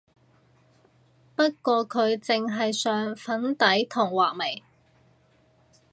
不過佢淨係上粉底同畫眉